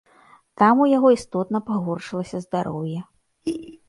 Там у яго істотна пагоршылася здароўе.